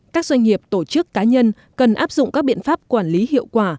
các doanh nghiệp tổ chức cá nhân cần áp dụng các biện pháp quản lý hiệu quả